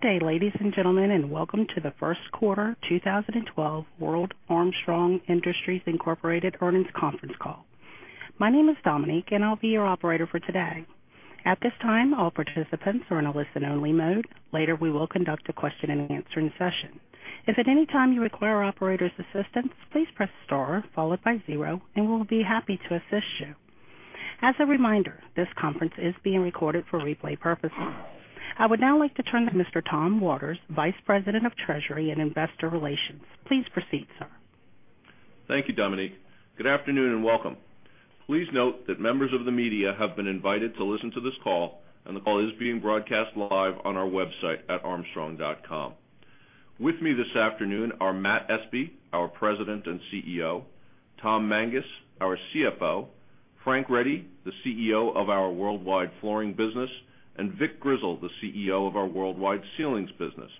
Good day, ladies and gentlemen, welcome to the first quarter 2012 Armstrong World Industries, Inc. Earnings Conference Call. My name is Dominique, and I'll be your operator for today. At this time, all participants are in a listen-only mode. Later, we will conduct a question-and-answering session. If at any time you require operator's assistance, please press star followed by zero, and we'll be happy to assist you. As a reminder, this conference is being recorded for replay purposes. I would now like to turn to Mr. Thomas Waters, Vice President of Treasury and Investor Relations. Please proceed, sir. Thank you, Dominique. Good afternoon, welcome. Please note that members of the media have been invited to listen to this call, and the call is being broadcast live on our website at armstrong.com. With me this afternoon are Matthew Espe, our President and CEO, Thomas Mangas, our CFO, Frank Ready, the CEO of our worldwide flooring business, and Vic Grizzle, the CEO of our worldwide ceilings business.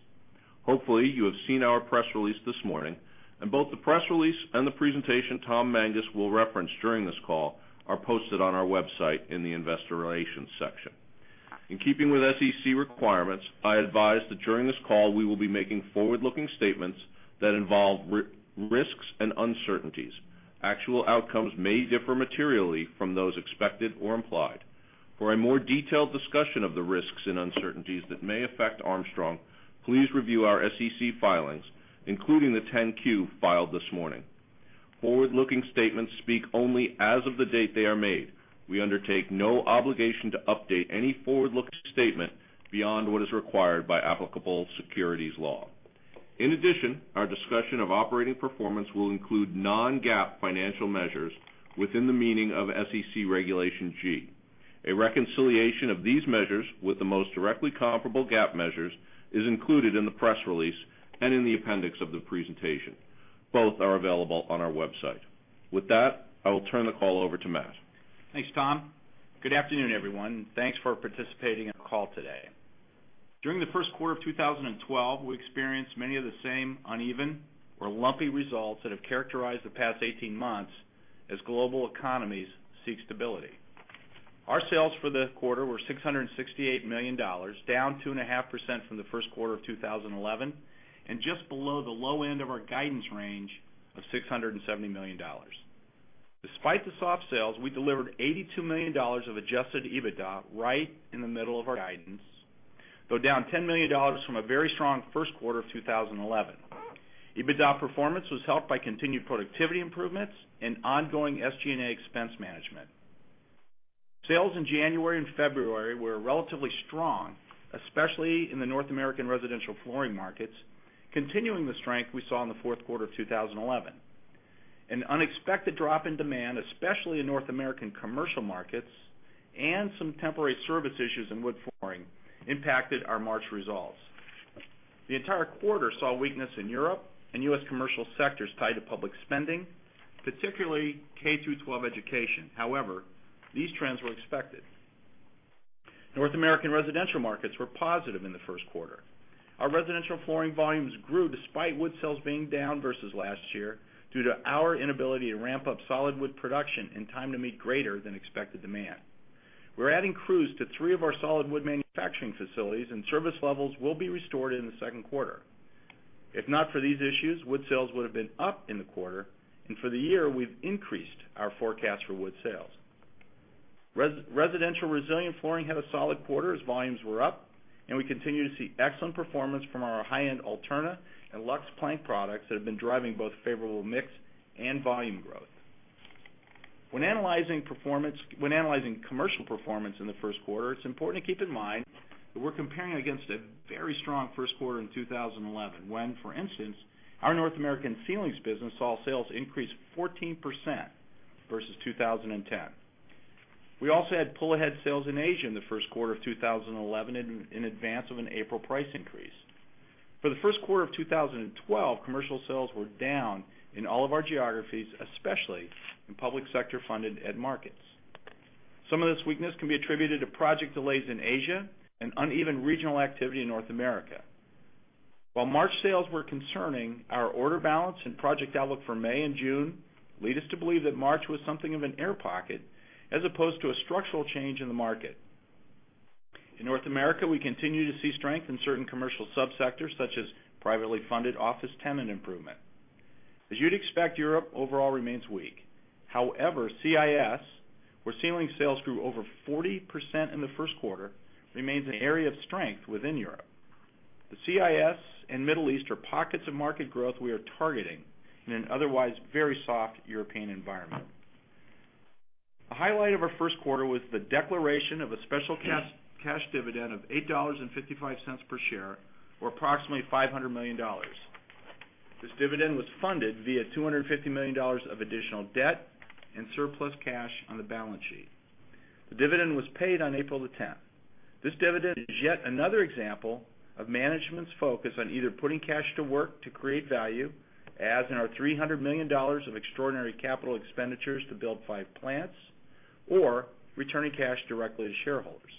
Hopefully, you have seen our press release this morning. Both the press release and the presentation Thomas Mangas will reference during this call are posted on our website in the investor relations section. In keeping with SEC requirements, I advise that during this call we will be making forward-looking statements that involve risks and uncertainties. Actual outcomes may differ materially from those expected or implied. For a more detailed discussion of the risks and uncertainties that may affect Armstrong, please review our SEC filings, including the 10-Q filed this morning. Forward-looking statements speak only as of the date they are made. We undertake no obligation to update any forward-looking statement beyond what is required by applicable securities law. In addition, our discussion of operating performance will include non-GAAP financial measures within the meaning of SEC Regulation G. A reconciliation of these measures with the most directly comparable GAAP measures is included in the press release and in the appendix of the presentation. Both are available on our website. With that, I will turn the call over to Matt. Thanks, Tom. Good afternoon, everyone. Thanks for participating in the call today. During the first quarter of 2012, we experienced many of the same uneven or lumpy results that have characterized the past 18 months as global economies seek stability. Our sales for the quarter were $668 million, down 2.5% from the first quarter of 2011, and just below the low end of our guidance range of $670 million. Despite the soft sales, we delivered $82 million of adjusted EBITDA right in the middle of our guidance, though down $10 million from a very strong first quarter of 2011. EBITDA performance was helped by continued productivity improvements and ongoing SG&A expense management. Sales in January and February were relatively strong, especially in the North American residential flooring markets, continuing the strength we saw in the fourth quarter of 2011. An unexpected drop in demand, especially in North American commercial markets, and some temporary service issues in wood flooring impacted our March results. The entire quarter saw weakness in Europe and U.S. commercial sectors tied to public spending, particularly K-12 education. However, these trends were expected. North American residential markets were positive in the first quarter. Our residential flooring volumes grew despite wood sales being down versus last year due to our inability to ramp up solid wood production in time to meet greater-than-expected demand. We're adding crews to three of our solid wood manufacturing facilities, and service levels will be restored in the second quarter. If not for these issues, wood sales would have been up in the quarter, and for the year, we've increased our forecast for wood sales. Residential resilient flooring had a solid quarter as volumes were up, and we continue to see excellent performance from our high-end Alterna and Luxe Plank products that have been driving both favorable mix and volume growth. When analyzing commercial performance in the first quarter, it's important to keep in mind that we're comparing against a very strong first quarter in 2011 when, for instance, our North American ceilings business saw sales increase 14% versus 2010. We also had pull-ahead sales in Asia in the first quarter of 2011 in advance of an April price increase. For the first quarter of 2012, commercial sales were down in all of our geographies, especially in public sector-funded ed markets. Some of this weakness can be attributed to project delays in Asia and uneven regional activity in North America. While March sales were concerning, our order balance and project outlook for May and June lead us to believe that March was something of an air pocket as opposed to a structural change in the market. In North America, we continue to see strength in certain commercial sub-sectors such as privately funded office tenant improvement. As you'd expect, Europe overall remains weak. However, CIS, where ceiling sales grew over 40% in the first quarter, remains an area of strength within Europe. The CIS and Middle East are pockets of market growth we are targeting in an otherwise very soft European environment. A highlight of our first quarter was the declaration of a special cash dividend of $8.55 per share, or approximately $500 million. This dividend was funded via $250 million of additional debt and surplus cash on the balance sheet. The dividend was paid on April the 10th. This dividend is yet another example of management's focus on either putting cash to work to create value, as in our $300 million of extraordinary capital expenditures to build five plants, or returning cash directly to shareholders.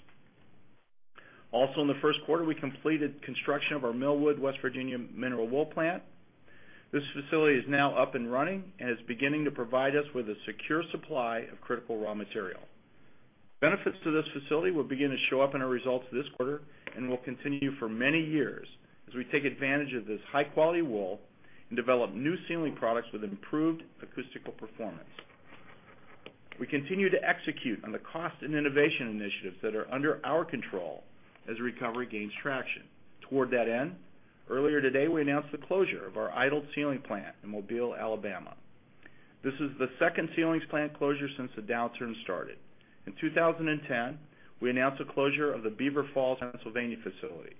Also in the first quarter, we completed construction of our Millwood, West Virginia mineral fiber plant. This facility is now up and running and is beginning to provide us with a secure supply of critical raw material. Benefits to this facility will begin to show up in our results this quarter and will continue for many years as we take advantage of this high-quality fiber and develop new ceiling products with improved acoustical performance. Toward that end, earlier today, we announced the closure of our idled ceiling plant in Mobile, Alabama. This is the 2nd ceilings plant closure since the downturn started. In 2010, we announced the closure of the Beaver Falls, Pennsylvania facility.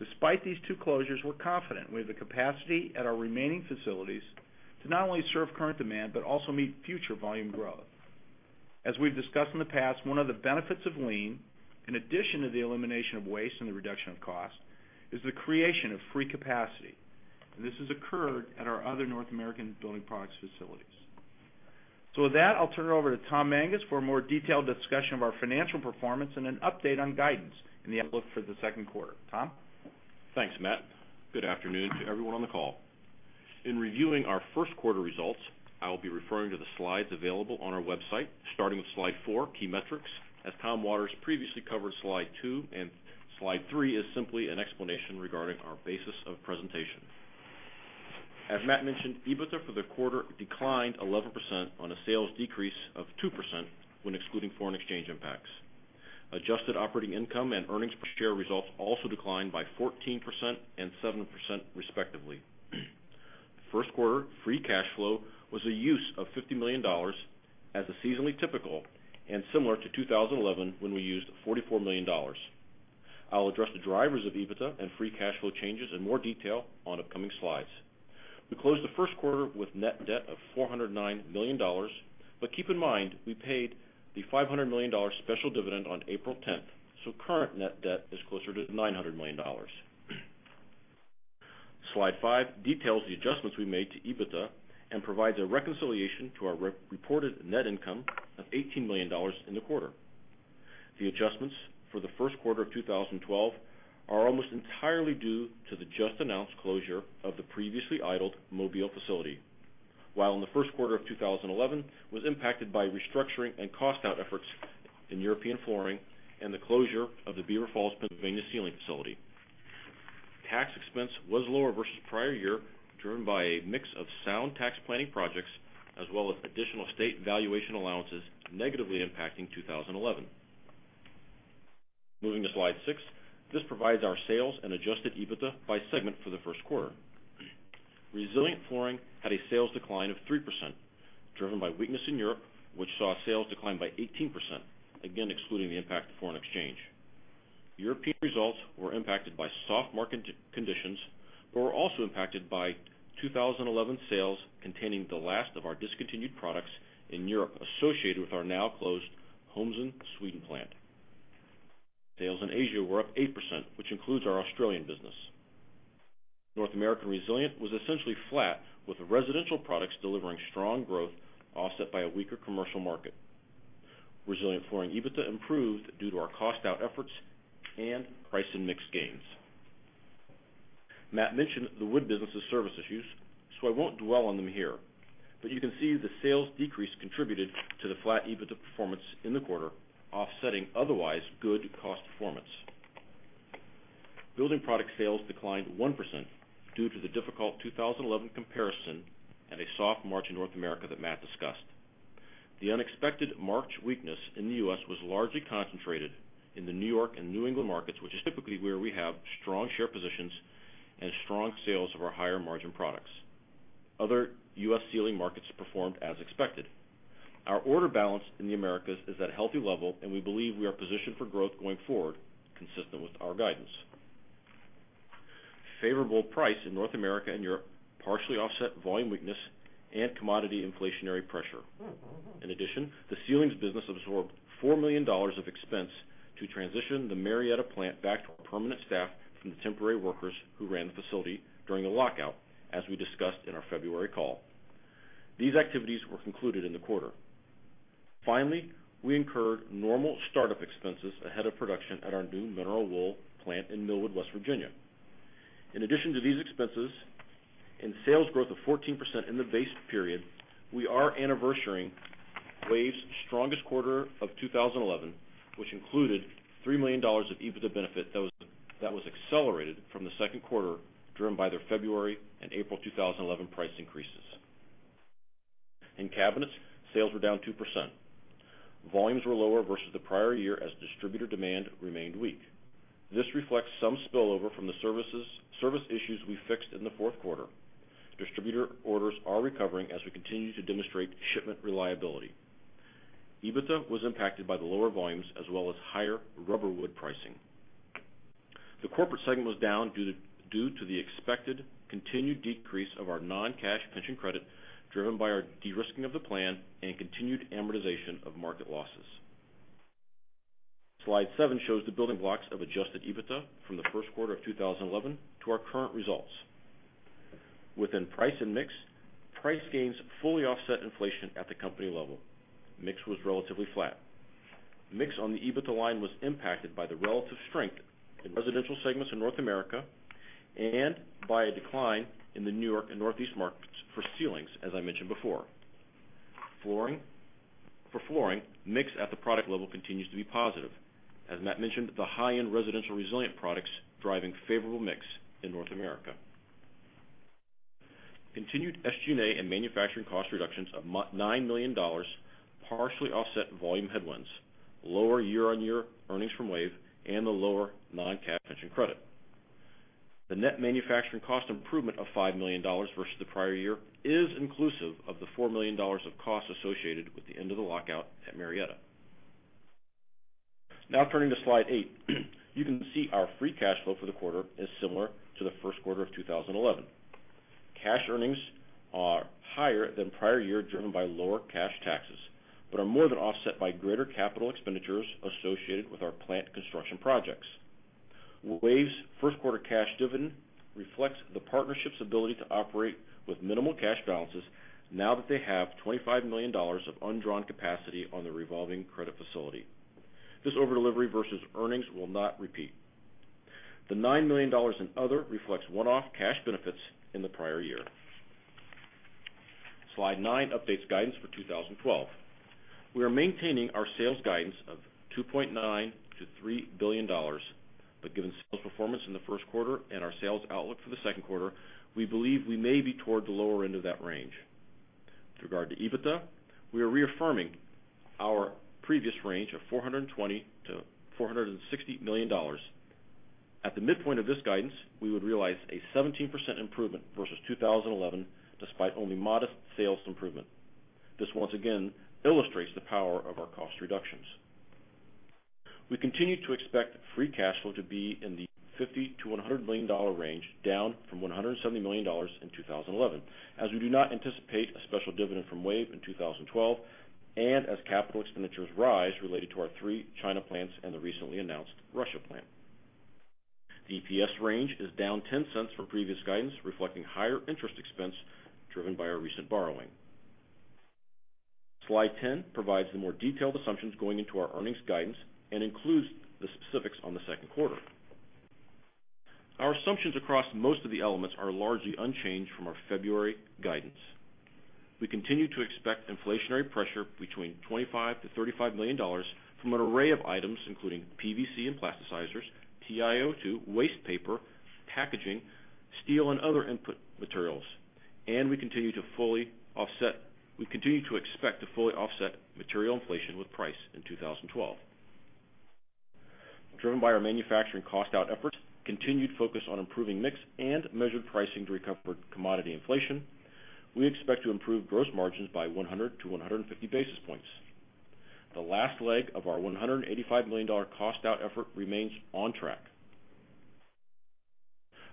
Despite these 2 closures, we're confident we have the capacity at our remaining facilities to not only serve current demand but also meet future volume growth. As we've discussed in the past, one of the benefits of lean, in addition to the elimination of waste and the reduction of cost, is the creation of free capacity. This has occurred at our other North American Building Products facilities. With that, I'll turn it over to Tom Mangas for a more detailed discussion of our financial performance and an update on guidance and the outlook for the second quarter. Tom? Thanks, Matt. Good afternoon to everyone on the call. In reviewing our first quarter results, I will be referring to the slides available on our website, starting with Slide 4: Key Metrics, as Thomas Waters previously covered Slide 2, and Slide 3 is simply an explanation regarding our basis of presentation. As Matt mentioned, EBITDA for the quarter declined 11% on a sales decrease of 2% when excluding foreign exchange impacts. Adjusted operating income and earnings per share results also declined by 14% and 7% respectively. First quarter free cash flow was a use of $50 million as a seasonally typical and similar to 2011 when we used $44 million. I'll address the drivers of EBITDA and free cash flow changes in more detail on upcoming slides. We closed the first quarter with net debt of $409 million, keep in mind, we paid the $500 million special dividend on April 10th, current net debt is closer to $900 million. Slide 5 details the adjustments we made to EBITDA and provides a reconciliation to our reported net income of $18 million in the quarter. The adjustments for the first quarter of 2012 are almost entirely due to the just-announced closure of the previously idled Mobile facility. While in the first quarter of 2011 was impacted by restructuring and cost-out efforts in European flooring and the closure of the Beaver Falls, Pennsylvania, ceiling facility. Tax expense was lower versus prior year, driven by a mix of sound tax planning projects as well as additional state valuation allowances negatively impacting 2011. Moving to Slide 6, this provides our sales and adjusted EBITDA by segment for the first quarter. Resilient Flooring had a sales decline of 3%, driven by weakness in Europe, which saw sales decline by 18%, again excluding the impact of foreign exchange. European results were impacted by soft market conditions but were also impacted by 2011 sales containing the last of our discontinued products in Europe associated with our now-closed Holmsund, Sweden, plant. Sales in Asia were up 8%, which includes our Australian business. North American Resilient was essentially flat, with residential products delivering strong growth offset by a weaker commercial market. Resilient Flooring EBITDA improved due to our cost-out efforts and price in mix gains. Matt mentioned the wood business's service issues, I won't dwell on them here, you can see the sales decrease contributed to the flat EBITDA performance in the quarter offsetting otherwise good cost performance. Building product sales declined 1% due to the difficult 2011 comparison and a soft March in North America that Matt discussed. The unexpected March weakness in the U.S. was largely concentrated in the New York and New England markets, which is typically where we have strong share positions and strong sales of our higher-margin products. Other U.S. ceiling markets performed as expected. Our order balance in the Americas is at a healthy level, and we believe we are positioned for growth going forward, consistent with our guidance. Favorable price in North America and Europe partially offset volume weakness and commodity inflationary pressure. In addition, the ceilings business absorbed $4 million of expense to transition the Marietta plant back to our permanent staff from the temporary workers who ran the facility during a lockout, as we discussed in our February call. These activities were concluded in the quarter. Finally, we incurred normal startup expenses ahead of production at our new mineral fiber plant in Millwood, West Virginia. In addition to these expenses and sales growth of 14% in the base period, we are anniversarying WAVE's strongest quarter of 2011, which included $3 million of EBITDA benefit that was accelerated from the second quarter, driven by their February and April 2011 price increases. In cabinets, sales were down 2%. Volumes were lower versus the prior year as distributor demand remained weak. This reflects some spillover from the service issues we fixed in the fourth quarter. Distributor orders are recovering as we continue to demonstrate shipment reliability. EBITDA was impacted by the lower volumes as well as higher rubberwood pricing. The corporate segment was down due to the expected continued decrease of our non-cash pension credit driven by our de-risking of the plan and continued amortization of market losses. Slide seven shows the building blocks of adjusted EBITDA from the first quarter of 2011 to our current results. Within price and mix, price gains fully offset inflation at the company level. Mix was relatively flat. Mix on the EBITDA line was impacted by the relative strength in residential segments in North America And by a decline in the New York and Northeast markets for ceilings, as I mentioned before. For flooring, mix at the product level continues to be positive. As Matt mentioned, the high-end residential resilient products driving favorable mix in North America. Continued SG&A and manufacturing cost reductions of $9 million partially offset volume headwinds, lower year-on-year earnings from WAVE, and the lower non-cash pension credit. The net manufacturing cost improvement of $5 million versus the prior year is inclusive of the $4 million of costs associated with the end of the lockout at Marietta. Now turning to slide eight. You can see our free cash flow for the quarter is similar to the first quarter of 2011. Cash earnings are higher than prior year, driven by lower cash taxes, but are more than offset by greater capital expenditures associated with our plant construction projects. WAVE's first quarter cash dividend reflects the partnership's ability to operate with minimal cash balances now that they have $25 million of undrawn capacity on their revolving credit facility. This over-delivery versus earnings will not repeat. The $9 million in other reflects one-off cash benefits in the prior year. Slide nine updates guidance for 2012. We are maintaining our sales guidance of $2.9 billion-$3 billion. Given sales performance in the first quarter and our sales outlook for the second quarter, we believe we may be toward the lower end of that range. With regard to EBITDA, we are reaffirming our previous range of $420 million-$460 million. At the midpoint of this guidance, we would realize a 17% improvement versus 2011, despite only modest sales improvement. This once again illustrates the power of our cost reductions. We continue to expect free cash flow to be in the $50 million-$100 million range, down from $170 million in 2011, as we do not anticipate a special dividend from WAVE in 2012, and as capital expenditures rise related to our three China plants and the recently announced Russia plant. The EPS range is down $0.10 from previous guidance, reflecting higher interest expense driven by our recent borrowing. Slide 10 provides the more detailed assumptions going into our earnings guidance and includes the specifics on the second quarter. Our assumptions across most of the elements are largely unchanged from our February guidance. We continue to expect inflationary pressure between $25 million-$35 million from an array of items, including PVC and plasticizers, TIO2, waste paper, packaging, steel, and other input materials. We continue to expect to fully offset material inflation with price in 2012. Driven by our manufacturing cost-out efforts, continued focus on improving mix, and measured pricing to recover commodity inflation, we expect to improve gross margins by 100-150 basis points. The last leg of our $185 million cost-out effort remains on track.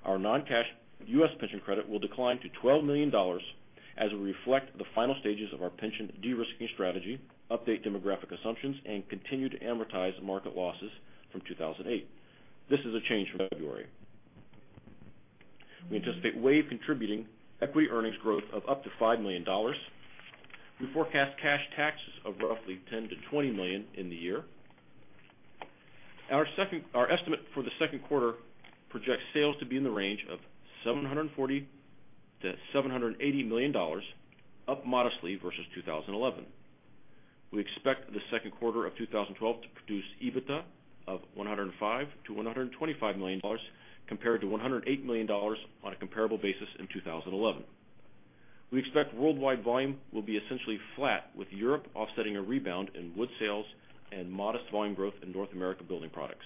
Our non-cash U.S. pension credit will decline to $12 million as we reflect the final stages of our pension de-risking strategy, update demographic assumptions, and continue to amortize market losses from 2008. This is a change from February. We anticipate WAVE contributing equity earnings growth of up to $5 million. We forecast cash taxes of roughly $10 million-$20 million in the year. Our estimate for the second quarter projects sales to be in the range of $740 million-$780 million, up modestly versus 2011. We expect the second quarter of 2012 to produce EBITDA of $105 million-$125 million compared to $108 million on a comparable basis in 2011. We expect worldwide volume will be essentially flat, with Europe offsetting a rebound in wood sales and modest volume growth in North America building products.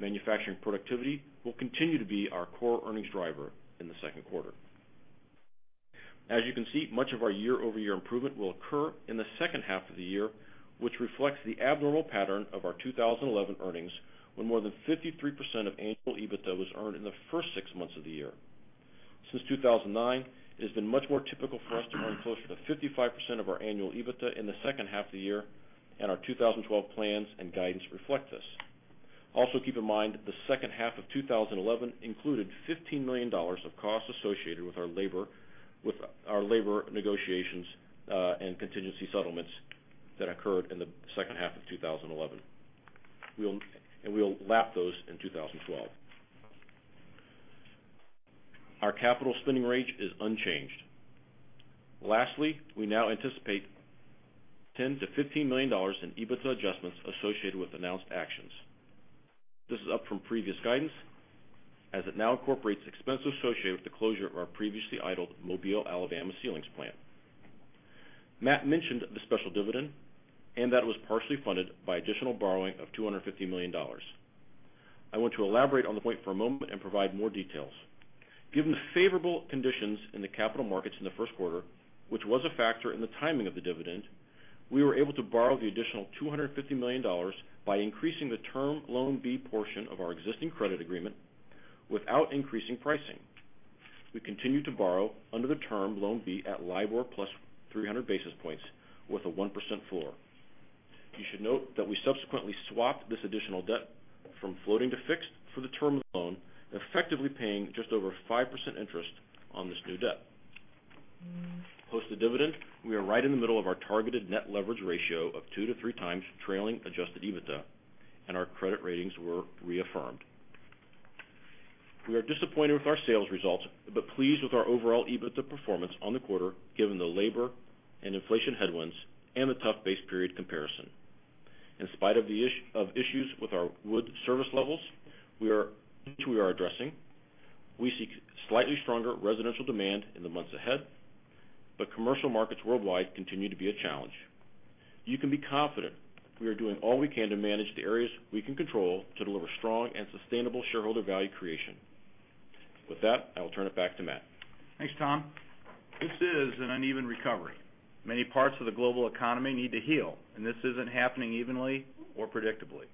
Manufacturing productivity will continue to be our core earnings driver in the second quarter. As you can see, much of our year-over-year improvement will occur in the second half of the year, which reflects the abnormal pattern of our 2011 earnings, when more than 53% of annual EBITDA was earned in the first six months of the year. Since 2009, it has been much more typical for us to earn closer to 55% of our annual EBITDA in the second half of the year. Our 2012 plans and guidance reflect this. Also, keep in mind, the second half of 2011 included $15 million of costs associated with our labor negotiations, and contingency settlements that occurred in the second half of 2011. We will lap those in 2012. Our capital spending range is unchanged. Lastly, we now anticipate $10 million-$15 million in EBITDA adjustments associated with announced actions. This is up from previous guidance, as it now incorporates expenses associated with the closure of our previously idled Mobile, Alabama ceilings plant. Matt mentioned the special dividend and that it was partially funded by additional borrowing of $250 million. I want to elaborate on the point for a moment and provide more details. Given the favorable conditions in the capital markets in the first quarter, which was a factor in the timing of the dividend, we were able to borrow the additional $250 million by increasing the Term Loan B portion of our existing credit agreement without increasing pricing. We continue to borrow under the Term Loan B at LIBOR plus 300 basis points with a 1% floor. You should note that we subsequently swapped this additional debt from floating to fixed for the term of the loan, effectively paying just over 5% interest on this new debt. Post the dividend, we are right in the middle of our targeted net leverage ratio of two to three times trailing adjusted EBITDA, and our credit ratings were reaffirmed. We are disappointed with our sales results, but pleased with our overall EBITDA performance on the quarter, given the labor and inflation headwinds and the tough base period comparison. In spite of issues with our wood service levels, which we are addressing, we seek slightly stronger residential demand in the months ahead, but commercial markets worldwide continue to be a challenge. You can be confident we are doing all we can to manage the areas we can control to deliver strong and sustainable shareholder value creation. With that, I will turn it back to Matt. Thanks, Tom. This is an uneven recovery. Many parts of the global economy need to heal, and this isn't happening evenly or predictably.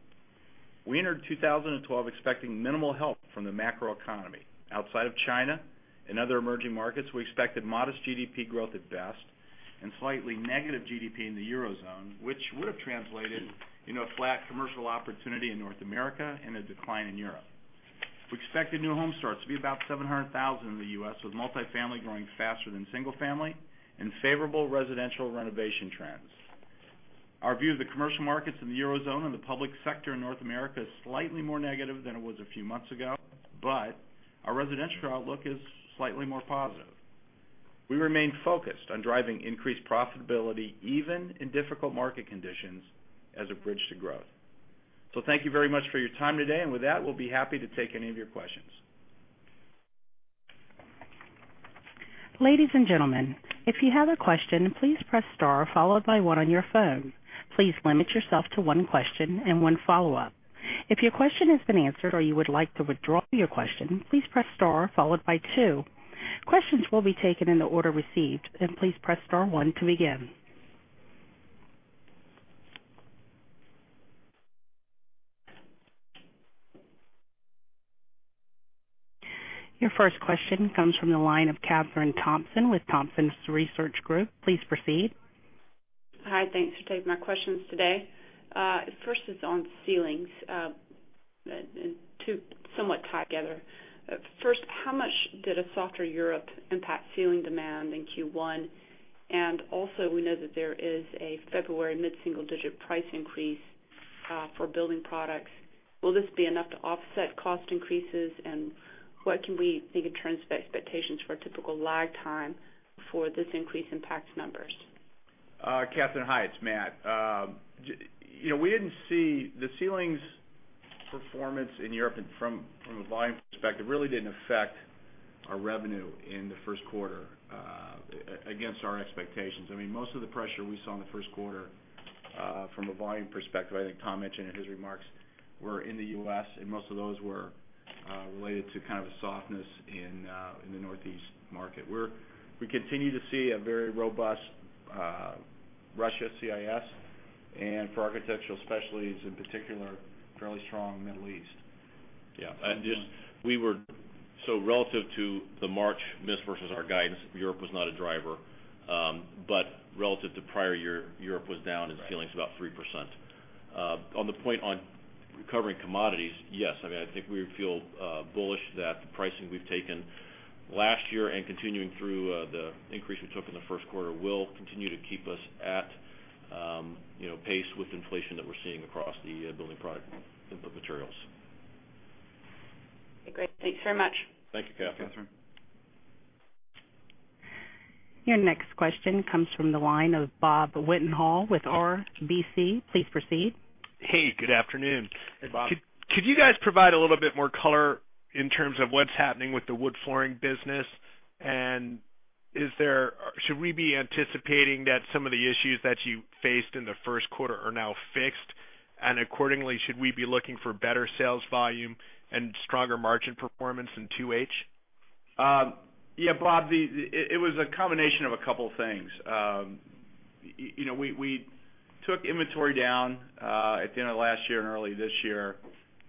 We entered 2012 expecting minimal help from the macroeconomy. Outside of China and other emerging markets, we expected modest GDP growth at best and slightly negative GDP in the Eurozone, which would've translated into a flat commercial opportunity in North America and a decline in Europe. We expected new home starts to be about 700,000 in the U.S., with multifamily growing faster than single family and favorable residential renovation trends. Our view of the commercial markets in the Eurozone and the public sector in North America is slightly more negative than it was a few months ago, but our residential outlook is slightly more positive. We remain focused on driving increased profitability even in difficult market conditions as a bridge to growth. Thank you very much for your time today. With that, we'll be happy to take any of your questions. Ladies and gentlemen, if you have a question, please press star followed by one on your phone. Please limit yourself to one question and one follow-up. If your question has been answered or you would like to withdraw your question, please press star followed by two. Questions will be taken in the order received, and please press star one to begin. Your first question comes from the line of Kathryn Thompson with Thompson Research Group. Please proceed. Hi. Thanks for taking my questions today. First is on ceilings. Two somewhat tied together. First, how much did a softer Europe impact ceiling demand in Q1? Also, we know that there is a February mid-single-digit price increase for building products. Will this be enough to offset cost increases? What can we maybe translate expectations for a typical lag time before this increase impacts numbers? Kathryn, hi, it's Matt. The ceilings performance in Europe from a volume perspective really didn't affect our revenue in the first quarter against our expectations. Most of the pressure we saw in the first quarter from a volume perspective, I think Tom mentioned in his remarks, were in the U.S. Most of those were related to a softness in the Northeast market, where we continue to see a very robust Russia CIS, for architectural specialties in particular, fairly strong Middle East. Yeah. Relative to the March miss versus our guidance, Europe was not a driver. Relative to prior year, Europe was down in ceilings about 3%. On the point on recovering commodities, yes. I think we feel bullish that the pricing we've taken last year continuing through the increase we took in the first quarter will continue to keep us at pace with inflation that we're seeing across the building product input materials. Okay, great. Thanks very much. Thank you, Kathryn. Kathryn. Your next question comes from the line of Robert Wetenhall with RBC. Please proceed. Hey, good afternoon. Hey, Bob. Could you guys provide a little bit more color in terms of what's happening with the wood flooring business? Should we be anticipating that some of the issues that you faced in the first quarter are now fixed? Accordingly, should we be looking for better sales volume and stronger margin performance in 2H? Yeah, Bob, it was a combination of a couple things. We took inventory down at the end of last year and early this year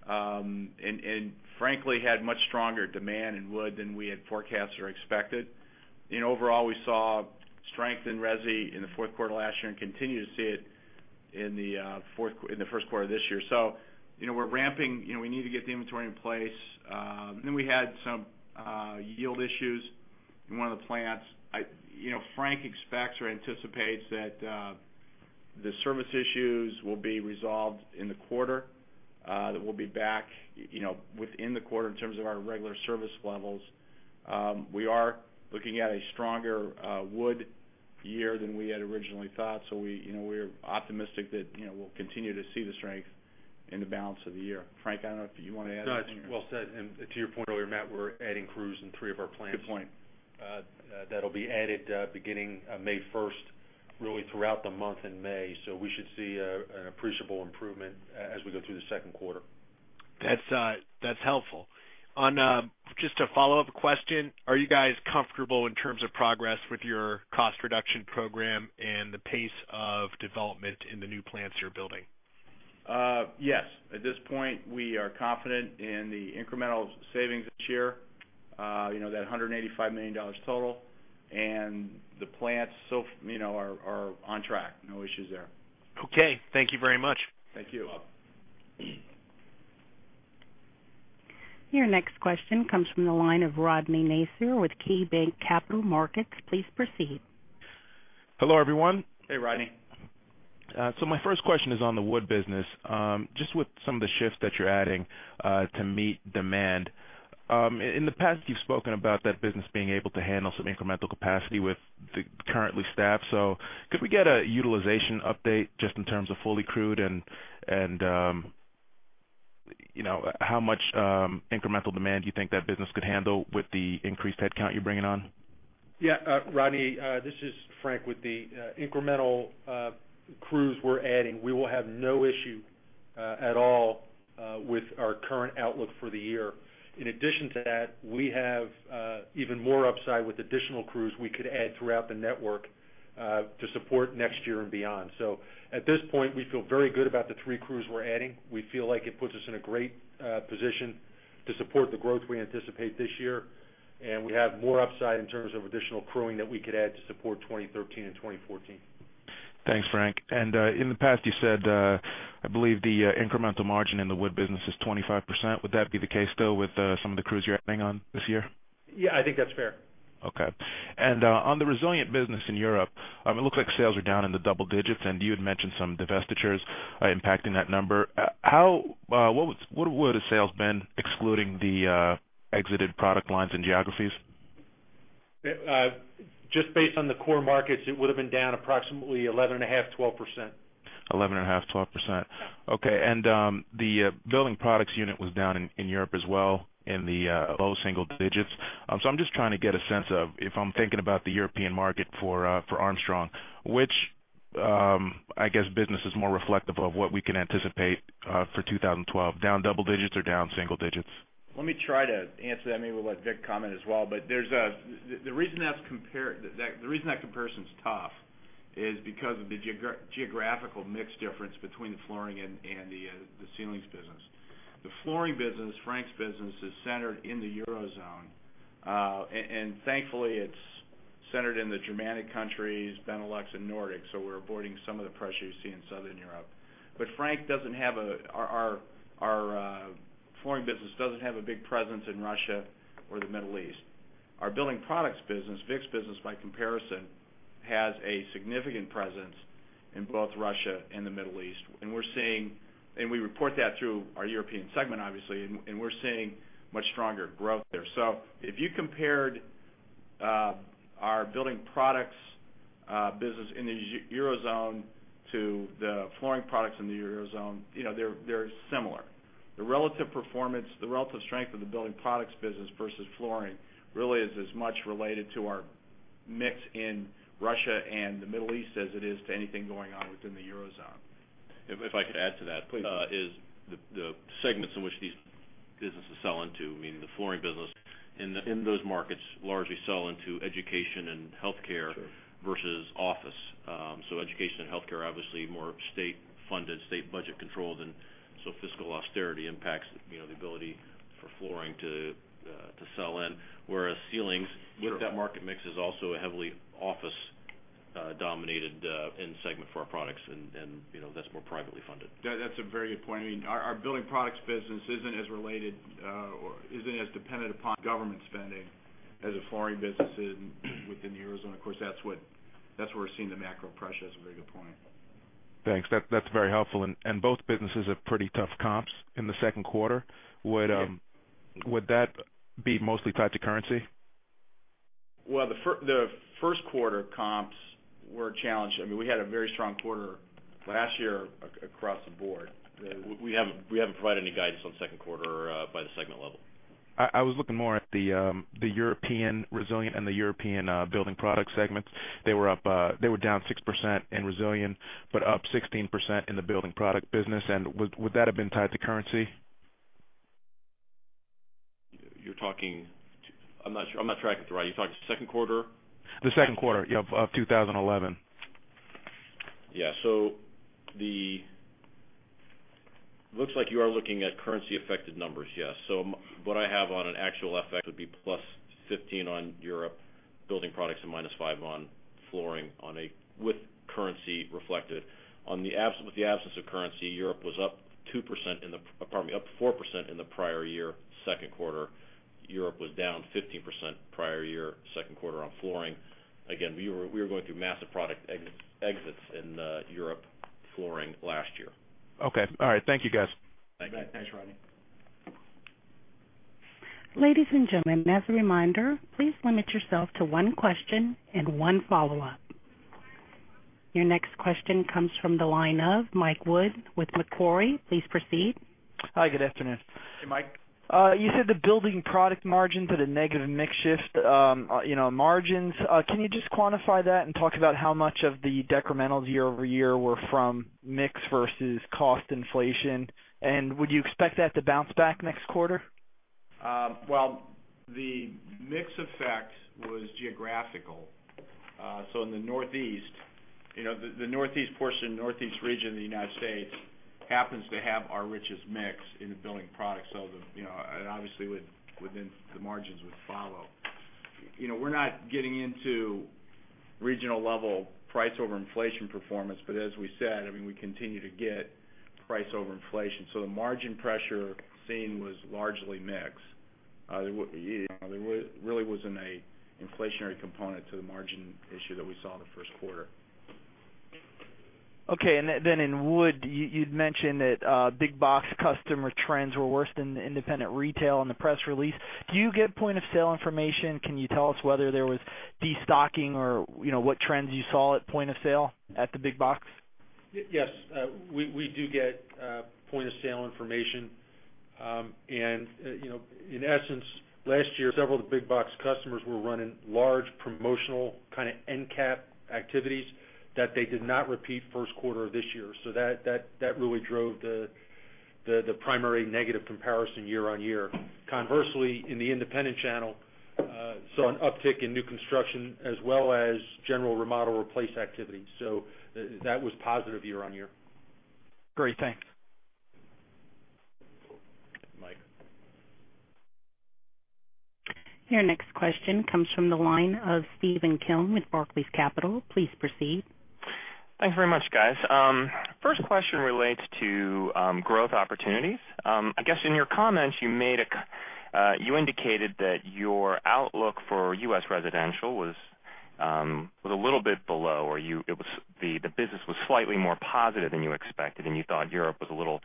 and frankly, had much stronger demand in wood than we had forecasted or expected. Overall, we saw strength in resi in the fourth quarter last year and continue to see it in the first quarter of this year. We're ramping. We need to get the inventory in place. We had some yield issues in one of the plants. Frank expects or anticipates that the service issues will be resolved in the quarter, that we'll be back within the quarter in terms of our regular service levels. We are looking at a stronger wood year than we had originally thought. We're optimistic that we'll continue to see the strength in the balance of the year. Frank, I don't know if you want to add anything. No. It's well said. To your point earlier, Matt, we're adding crews in three of our plants- Good point that'll be added beginning May 1st, really throughout the month in May. We should see an appreciable improvement as we go through the second quarter. That's helpful. Just a follow-up question, are you guys comfortable in terms of progress with your cost reduction program and the pace of development in the new plants you're building? Yes. At this point, we are confident in the incremental savings this year, that $185 million total, and the plants are on track. No issues there. Okay. Thank you very much. Thank you. Bob. Your next question comes from the line of Rodney Nasr with KeyBanc Capital Markets. Please proceed. Hello, everyone. Hey, Rodney. My first question is on the wood business, just with some of the shifts that you're adding to meet demand. In the past, you've spoken about that business being able to handle some incremental capacity with the currently staffed. Could we get a utilization update just in terms of fully crewed and how much incremental demand do you think that business could handle with the increased headcount you're bringing on? Yeah. Rodney, this is Frank. With the incremental crews we're adding, we will have no issue at all with our current outlook for the year. In addition to that, we have even more upside with additional crews we could add throughout the network to support next year and beyond. At this point, we feel very good about the three crews we're adding. We feel like it puts us in a great position to support the growth we anticipate this year, we have more upside in terms of additional crewing that we could add to support 2013 and 2014. Thanks, Frank. In the past, you said, I believe, the incremental margin in the wood business is 25%. Would that be the case still with some of the crews you're adding on this year? Yeah, I think that's fair. Okay. On the resilient business in Europe, it looks like sales are down in the double digits, and you had mentioned some divestitures impacting that number. What would have sales been excluding the exited product lines and geographies? Just based on the core markets, it would've been down approximately 11.5%, 12%. 11.5%, 12%. Okay. The building products unit was down in Europe as well in the low single digits. I'm just trying to get a sense of, if I'm thinking about the European market for Armstrong, which business is more reflective of what we can anticipate for 2012, down double digits or down single digits? Let me try to answer that. Maybe we'll let Vic comment as well. The reason that comparison's tough is because of the geographical mix difference between the flooring and the ceilings business. The flooring business, Frank's business, is centered in the Eurozone. Thankfully, it's centered in the Germanic countries, Benelux, and Nordic. We're avoiding some of the pressure you see in Southern Europe. Our flooring business doesn't have a big presence in Russia or the Middle East. Our building products business, Vic's business, by comparison, has a significant presence in both Russia and the Middle East. We report that through our European segment, obviously, and we're seeing much stronger growth there. If you compared our building products business in the Eurozone to the flooring products in the Eurozone, they're similar. The relative strength of the building products business versus flooring really is as much related to our mix in Russia and the Middle East as it is to anything going on within the Eurozone. If I could add to that. Please. The segments in which these businesses sell into, meaning the flooring business, in those markets largely sell into education and healthcare. Sure Versus office. Education and healthcare are obviously more state-funded, state budget controlled, and fiscal austerity impacts the ability for flooring to sell in. Whereas ceilings. Sure That market mix is also a heavily office-dominated end segment for our products, and that's more privately funded. That's a very good point. Our building products business isn't as related or isn't as dependent upon government spending as the flooring business is within the Eurozone. Of course, that's where we're seeing the macro pressure. That's a very good point. Thanks. That's very helpful. Both businesses have pretty tough comps in the second quarter. Yes. Would that be mostly tied to currency? Well, the first quarter comps were a challenge. We had a very strong quarter last year across the board. We haven't provided any guidance on second quarter by the segment level. I was looking more at the European resilient and the European building product segments. They were down 6% in resilient, but up 16% in the building product business, would that have been tied to currency? I'm not tracking through. Are you talking second quarter? The second quarter, yeah, of 2011. Yeah. Looks like you are looking at currency-affected numbers, yes. What I have on an actual effect would be +15 on Europe building products and -5 on flooring with currency reflected. With the absence of currency, Europe was up 4% in the prior year second quarter. Europe was down 15% prior year second quarter on flooring. Again, we were going through massive product exits in Europe flooring last year. Okay. All right. Thank you, guys. You bet. Thanks, Rodney. Ladies and gentlemen, as a reminder, please limit yourself to one question and one follow-up. Your next question comes from the line of Mike Wood with Macquarie. Please proceed. Hi, good afternoon. Hey, Mike. You said the building product margins had a negative mix shift on margins. Can you just quantify that and talk about how much of the decremental year-over-year were from mix versus cost inflation, would you expect that to bounce back next quarter? Well, the mix effect was geographical. In the Northeast portion, Northeast region of the U.S. happens to have our richest mix in the building products. Obviously within the margins would follow. We're not getting into regional-level price over inflation performance, as we said, we continue to get price over inflation. The margin pressure seen was largely mix. There really wasn't an inflationary component to the margin issue that we saw in the first quarter. Okay. Then in wood, you'd mentioned that big box customer trends were worse than the independent retail in the press release. Do you get point-of-sale information? Can you tell us whether there was de-stocking or what trends you saw at point of sale at the big box? Yes. We do get point-of-sale information. In essence, last year, several of the big box customers were running large promotional kind of end-cap activities that they did not repeat first quarter of this year. That really drove the primary negative comparison year-over-year. Conversely, in the independent channel, saw an uptick in new construction as well as general remodel replace activity. That was positive year-over-year. Great, thanks. Mike. Your next question comes from the line of Stephen Kim with Barclays Capital. Please proceed. Thanks very much, guys. First question relates to growth opportunities. I guess in your comments, you indicated that your outlook for U.S. residential was a little bit below, or the business was slightly more positive than you expected, You thought Europe was a little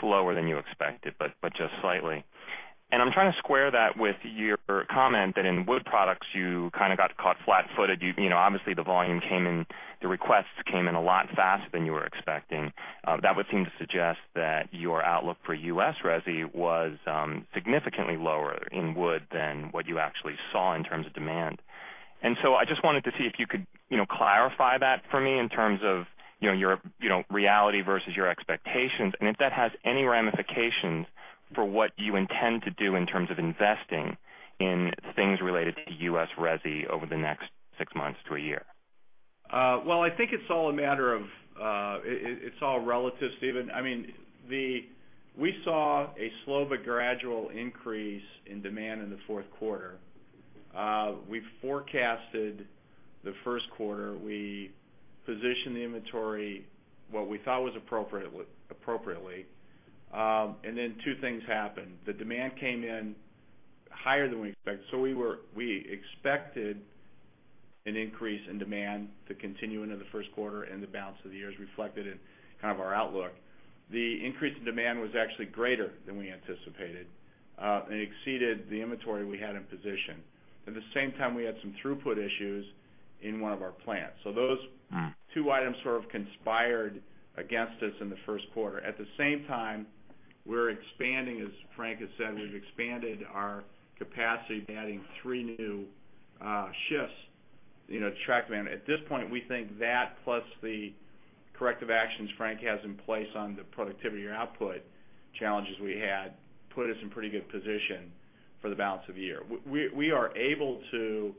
slower than you expected, just slightly. I'm trying to square that with your comment that in wood products, you kind of got caught flat-footed. Obviously, the volume came in, the requests came in a lot faster than you were expecting. That would seem to suggest that your outlook for U.S. resi was significantly lower in wood than what you actually saw in terms of demand. I just wanted to see if you could clarify that for me in terms of your reality versus your expectations, and if that has any ramifications for what you intend to do in terms of investing in things related to U.S. resi over the next six months to a year. Well, I think it's all relative, Stephen. We saw a slow but gradual increase in demand in the fourth quarter. We forecasted the first quarter. We positioned the inventory what we thought was appropriately. Two things happened. The demand came in higher than we expected. We expected an increase in demand to continue into the first quarter and the balance of the year, as reflected in kind of our outlook. The increase in demand was actually greater than we anticipated, and it exceeded the inventory we had in position. We had some throughput issues in one of our plants. Those two items sort of conspired against us in the first quarter. We're expanding, as Frank has said, we've expanded our capacity by adding three new shifts to track demand. At this point, we think that plus the corrective actions Frank has in place on the productivity or output challenges we had put us in pretty good position for the balance of the year. We are able to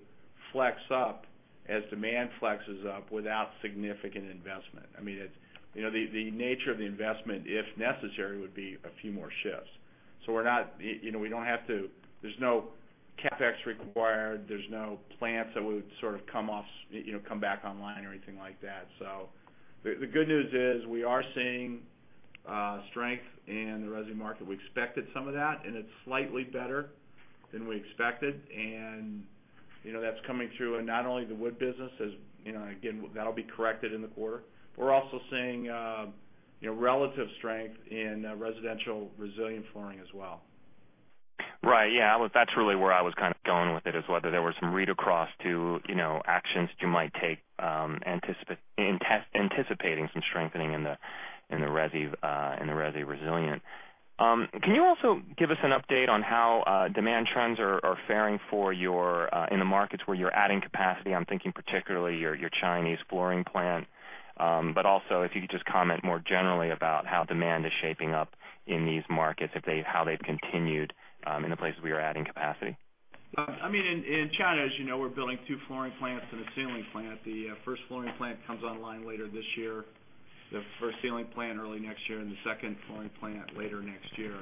flex up as demand flexes up without significant investment. The nature of the investment, if necessary, would be a few more shifts. There's no CapEx required. There's no plants that would sort of come back online or anything like that. The good news is we are seeing strength in the resi market. We expected some of that, and it's slightly better than we expected. That's coming through in not only the wood business as, again, that'll be corrected in the quarter. We're also seeing relative strength in residential resilient flooring as well. Right. Yeah. That's really where I was kind of going with it, is whether there were some read-across to actions you might take anticipating some strengthening in the resi resilient. Can you also give us an update on how demand trends are faring in the markets where you're adding capacity? I'm thinking particularly your Chinese flooring plant. Also, if you could just comment more generally about how demand is shaping up in these markets, how they've continued in the places where you're adding capacity. In China, as you know, we're building two flooring plants and a ceiling plant. The first flooring plant comes online later this year, the first ceiling plant early next year, and the second flooring plant later next year.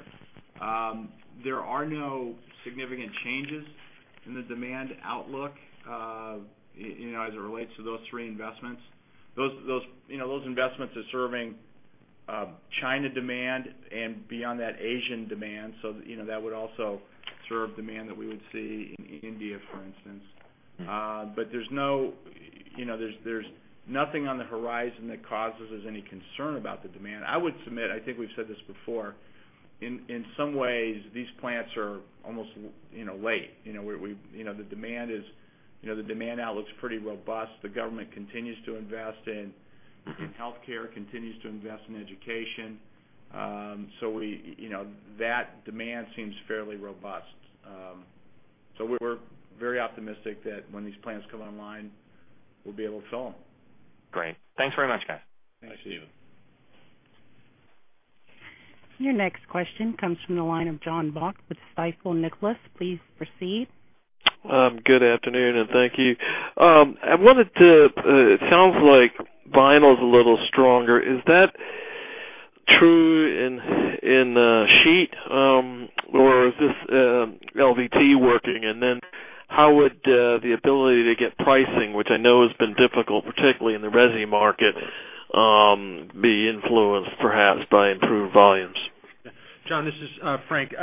There are no significant changes in the demand outlook as it relates to those three investments. Those investments are serving China demand and beyond that, Asian demand. That would also serve demand that we would see in India, for instance. There's nothing on the horizon that causes us any concern about the demand. I would submit, I think we've said this before, in some ways, these plants are almost late. The demand outlook's pretty robust. The government continues to invest in healthcare, continues to invest in education. That demand seems fairly robust. We're very optimistic that when these plants come online, we'll be able to fill them. Great. Thanks very much, guys. Thanks, Stephen. Your next question comes from the line of John Bach with Stifel Nicolaus. Please proceed. Good afternoon, and thank you. It sounds like vinyl's a little stronger. Is that true in sheet, or is this LVT working? How would the ability to get pricing, which I know has been difficult, particularly in the resi market, be influenced perhaps by improved volumes? John, this is Frank.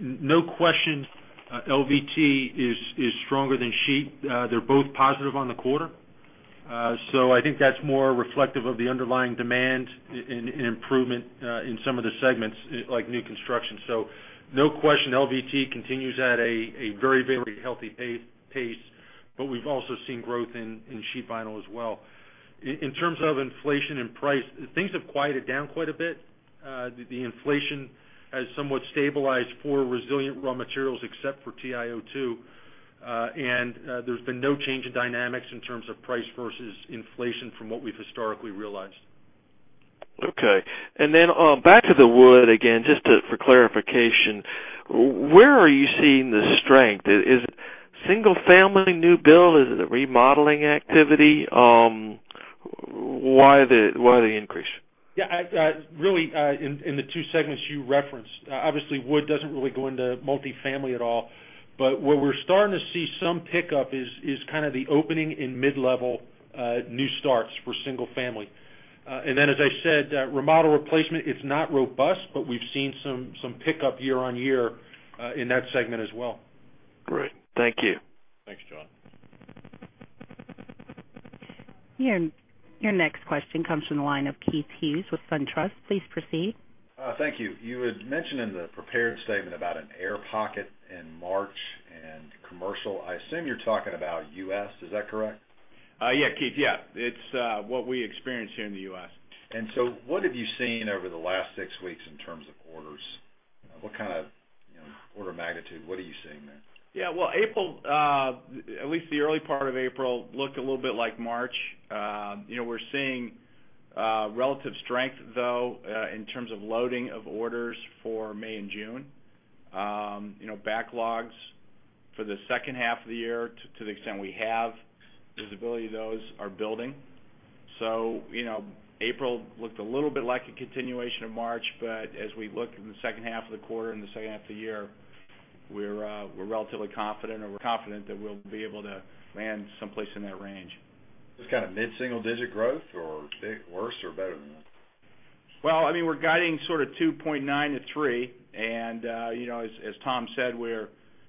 No question LVT is stronger than sheet. They're both positive on the quarter. I think that's more reflective of the underlying demand and improvement in some of the segments, like new construction. No question, LVT continues at a very healthy pace, but we've also seen growth in sheet vinyl as well. In terms of inflation and price, things have quieted down quite a bit. The inflation has somewhat stabilized for resilient raw materials except for TIO2, and there's been no change in dynamics in terms of price versus inflation from what we've historically realized. Okay. Back to the wood again, just for clarification, where are you seeing the strength? Is it single family new build? Is it a remodeling activity? Why the increase? Yeah. Really, in the two segments you referenced, obviously wood doesn't really go into multifamily at all, but where we're starting to see some pickup is kind of the opening in mid-level new starts for single family. Then, as I said, remodel replacement, it's not robust, but we've seen some pickup year-on-year in that segment as well. Great. Thank you. Thanks, John. Your next question comes from the line of Keith Hughes with SunTrust. Please proceed. Thank you. You had mentioned in the prepared statement about an air pocket in March and commercial. I assume you are talking about U.S., is that correct? Yeah, Keith. It's what we experienced here in the U.S. What have you seen over the last six weeks in terms of orders? What kind of order of magnitude, what are you seeing there? Yeah. Well, April, at least the early part of April, looked a little bit like March. We're seeing relative strength, though, in terms of loading of orders for May and June. Backlogs for the second half of the year, to the extent we have visibility to those, are building. April looked a little bit like a continuation of March, but as we look in the second half of the quarter and the second half of the year, we're relatively confident, or we're confident that we'll be able to land someplace in that range. Just kind of mid-single digit growth or worse or better than that? We're guiding sort of 2.9%-3%. As Tom said,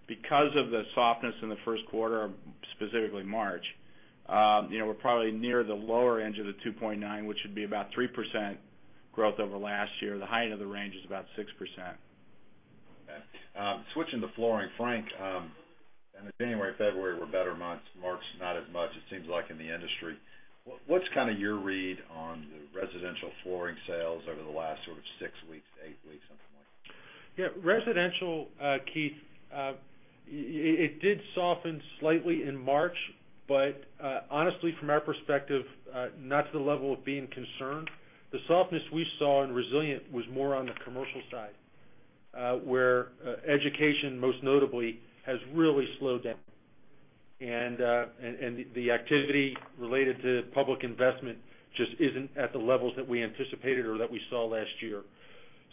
because of the softness in the first quarter, specifically March, we're probably near the lower end of the 2.9%, which would be about 3% growth over last year. The height of the range is about 6%. Switching to flooring. Frank, January, February were better months. March, not as much, it seems like in the industry. What's kind of your read on the residential flooring sales over the last sort of six weeks, eight weeks, something like that? Residential, Keith, it did soften slightly in March, but honestly, from our perspective, not to the level of being concerned. The softness we saw in resilient was more on the commercial side, where education, most notably, has really slowed down. The activity related to public investment just isn't at the levels that we anticipated or that we saw last year.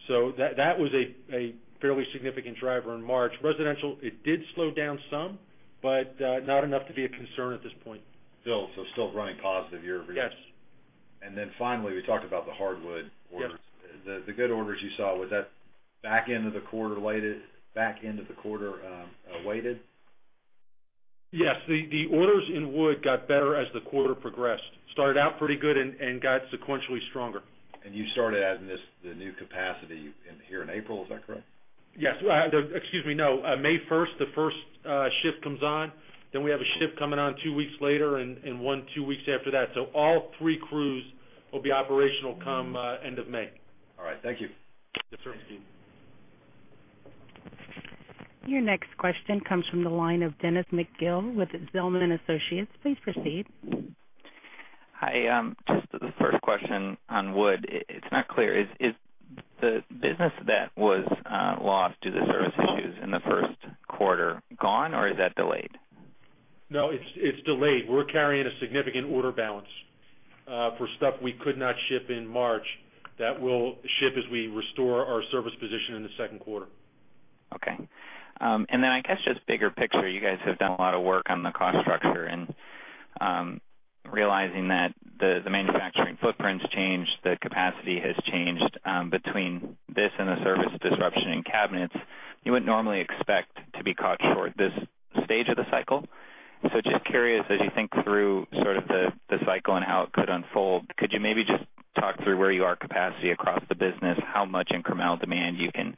That was a fairly significant driver in March. Residential, it did slow down some, but not enough to be a concern at this point. Still. Still running positive year-over-year. Yes. Finally, we talked about the hardwood orders. Yep. The good orders you saw, was that back end of the quarter weighted? Yes. The orders in wood got better as the quarter progressed. Started out pretty good and got sequentially stronger. You started adding the new capacity in here in April, is that correct? Yes. Excuse me, no. May 1st, the first shift comes on. We have a shift coming on two weeks later and one, two weeks after that. All three crews will be operational come end of May. All right. Thank you. Yes, sir. Your next question comes from the line of Dennis McGill with Zelman & Associates. Please proceed. Hi. Just the first question on wood. It's not clear. Is the business that was lost due to service issues in the first quarter gone, or is that delayed? No, it's delayed. We're carrying a significant order balance for stuff we could not ship in March that will ship as we restore our service position in the second quarter. Okay. I guess just bigger picture, you guys have done a lot of work on the cost structure and realizing that the manufacturing footprint's changed, the capacity has changed between this and the service disruption in cabinets, you wouldn't normally expect to be caught short this stage of the cycle. Just curious, as you think through sort of the cycle and how it could unfold, could you maybe just talk through where you are capacity across the business, how much incremental demand you can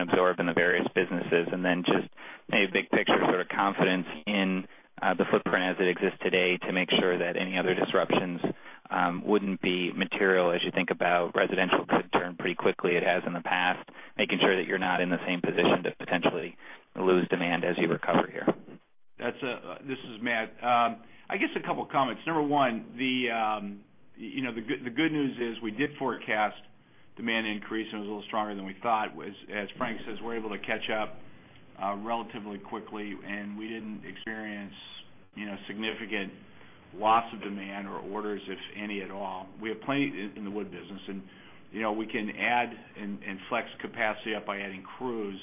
absorb in the various businesses? And then just maybe big picture sort of confidence in the footprint as it exists today to make sure that any other disruptions wouldn't be material as you think about residential could turn pretty quickly. It has in the past. Making sure that you're not in the same position to potentially lose demand as you recover here. This is Matt. I guess a couple of comments. Number one, the good news is we did forecast demand increase, and it was a little stronger than we thought. As Frank says, we're able to catch up relatively quickly, and we didn't experience significant loss of demand or orders, if any at all. We have plenty in the wood business, and we can add and flex capacity up by adding crews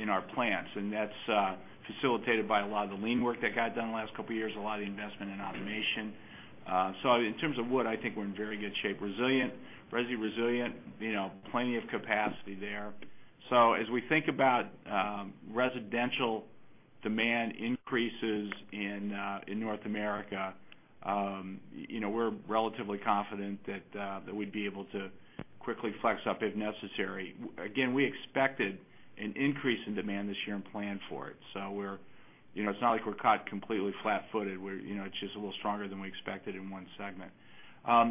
in our plants. That's facilitated by a lot of the lean work that got done the last couple of years, a lot of the investment in automation. In terms of wood, I think we're in very good shape. Resilient, plenty of capacity there. As we think about residential demand increases in North America, we're relatively confident that we'd be able to quickly flex up if necessary. Again, we expected an increase in demand this year and planned for it. It's not like we're caught completely flat-footed. It's just a little stronger than we expected in one segment.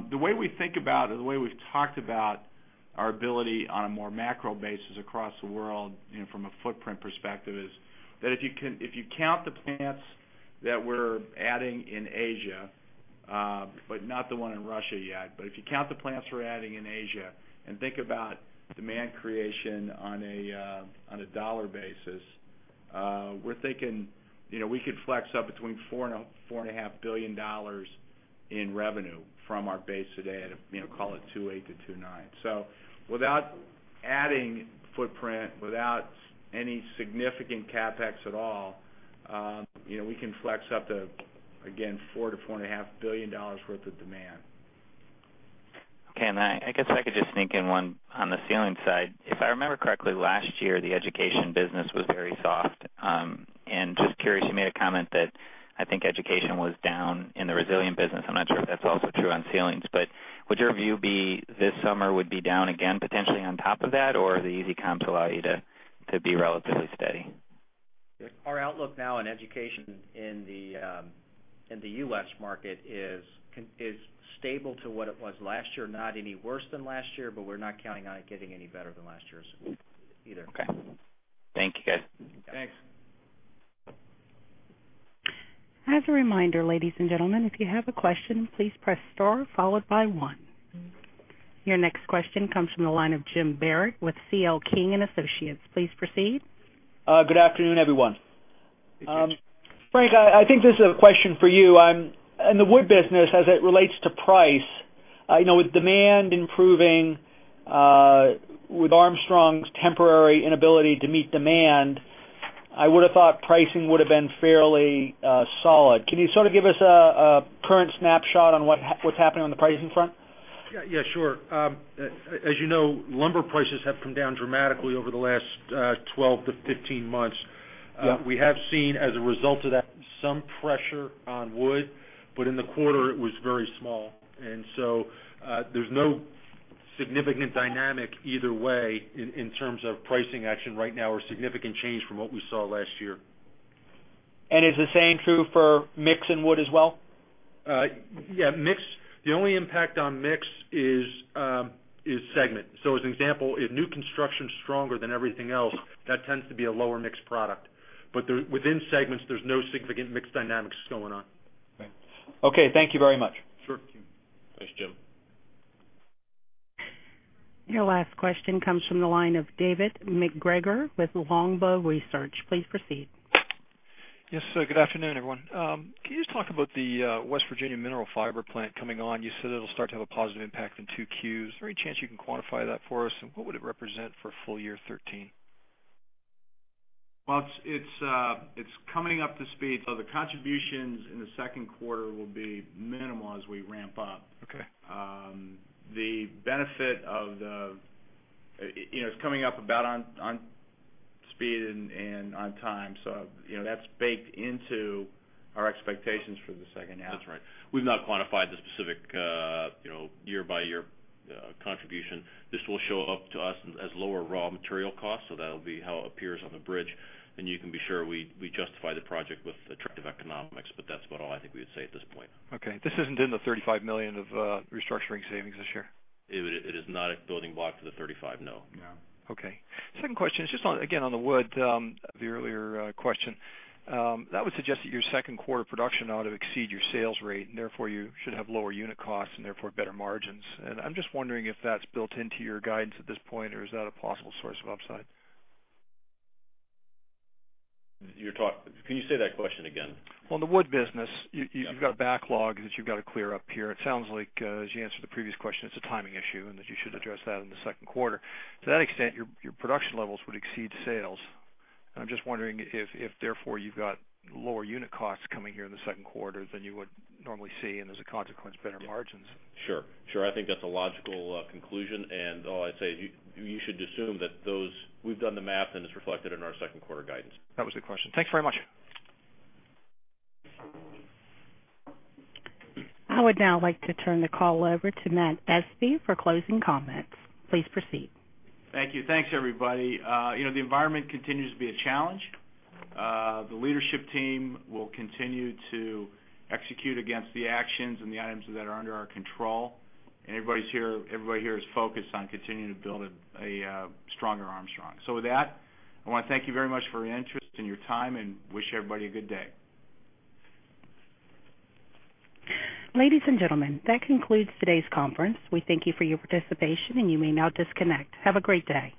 The way we think about or the way we've talked about our ability on a more macro basis across the world and from a footprint perspective, is that if you count the plants that we're adding in Asia, but not the one in Russia yet. If you count the plants we're adding in Asia and think about demand creation on a dollar basis, we're thinking we could flex up between $4 billion and $4.5 billion in revenue from our base today at, call it $2.8 billion to $2.9 billion. Without adding footprint, without any significant CapEx at all, we can flex up to, again, $4 billion to $4.5 billion worth of demand. Okay. I guess I could just sneak in one on the ceiling side. If I remember correctly, last year, the education business was very soft. Just curious, you made a comment that I think education was down in the resilient business. I'm not sure if that's also true on ceilings, but would your view be this summer would be down again, potentially on top of that? Or the easy comps allow you to be relatively steady? Our outlook now in education in the U.S. market is stable to what it was last year. Not any worse than last year, but we're not counting on it getting any better than last year's either. Okay. Thank you, guys. Thanks. As a reminder, ladies and gentlemen, if you have a question, please press star followed by one. Your next question comes from the line of Jim Barrett with C.L. King & Associates. Please proceed. Good afternoon, everyone. Good afternoon. Frank, I think this is a question for you. In the wood business, as it relates to price, with demand improving, with Armstrong's temporary inability to meet demand, I would have thought pricing would have been fairly solid. Can you sort of give us a current snapshot on what's happening on the pricing front? Yeah, sure. As you know, lumber prices have come down dramatically over the last 12 to 15 months. Yep. We have seen, as a result of that, some pressure on wood, but in the quarter, it was very small. There's no significant dynamic either way in terms of pricing action right now or significant change from what we saw last year. Is the same true for mix and wood as well? Yeah. The only impact on mix is segment. As an example, if new construction is stronger than everything else, that tends to be a lower mixed product. Within segments, there's no significant mix dynamics going on. Okay. Thank you very much. Sure. Thanks, Jim. Your last question comes from the line of David MacGregor with Longbow Research. Please proceed. Yes, good afternoon, everyone. Can you just talk about the West Virginia mineral fiber plant coming on? You said it'll start to have a positive impact in 2 Qs. Is there any chance you can quantify that for us? What would it represent for full year 2013? It's coming up to speed. The contributions in the second quarter will be minimal as we ramp up. Okay. It's coming up about on speed and on time. That's baked into our expectations for the second half. That's right. We've not quantified the specific year-by-year contribution. This will show up to us as lower raw material costs, so that'll be how it appears on the bridge. You can be sure we justify the project with attractive economics, that's about all I think we would say at this point. Okay. This isn't in the $35 million of restructuring savings this year? It is not a building block for the $35, no. No. Okay. Second question is just, again, on the wood, the earlier question. That would suggest that your second quarter production ought to exceed your sales rate, and therefore, you should have lower unit costs and therefore better margins. I'm just wondering if that's built into your guidance at this point, or is that a possible source of upside? Can you say that question again? Well, in the wood business. Yeah You've got a backlog that you've got to clear up here. It sounds like, as you answered the previous question, it's a timing issue and that you should address that in the second quarter. To that extent, your production levels would exceed sales. I'm just wondering if therefore you've got lower unit costs coming here in the second quarter than you would normally see, and as a consequence, better margins. Sure. I think that's a logical conclusion, and all I'd say is you should assume that we've done the math, and it's reflected in our second quarter guidance. That was the question. Thank you very much. I would now like to turn the call over to Matthew Espe for closing comments. Please proceed. Thank you. Thanks, everybody. The environment continues to be a challenge. The leadership team will continue to execute against the actions and the items that are under our control. Everybody here is focused on continuing to build a stronger Armstrong. With that, I want to thank you very much for your interest and your time and wish everybody a good day. Ladies and gentlemen, that concludes today's conference. We thank you for your participation, and you may now disconnect. Have a great day.